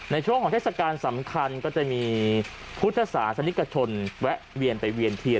ในช่วงของเทศกาลสำคัญก็จะมีพุทธศาสนิกชนแวะเวียนไปเวียนเทียน